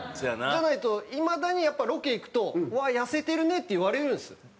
じゃないといまだにやっぱロケ行くと「うわ痩せてるね」って言われるんですよ。